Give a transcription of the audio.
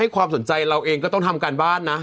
ความสนใจเราเองก็ต้องทำการบ้านนะ